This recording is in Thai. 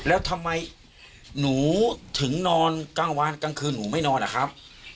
แล้วทำไมหนูถึงนอนกลางวันกลางคืนหนูไม่นอนอะครับ